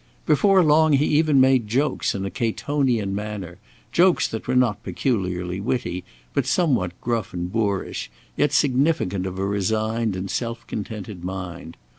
Before long he even made jokes in a Catonian manner; jokes that were not peculiarly witty, but somewhat gruff and boorish, yet significant of a resigned and self contented mind.